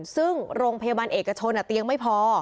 ซึ่งโรงพยาบาลเอกชนเตียงไม่พอ